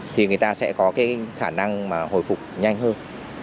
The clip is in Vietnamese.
thì người ta sẽ có khả năng hồi phục nhanh hơn